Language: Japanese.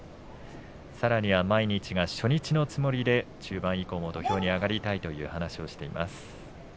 さらには毎日が初日のつもりで中盤以降も土俵に上がりたいという話をしています。